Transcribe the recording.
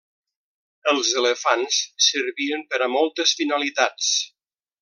Els elefants servien per a moltes finalitats.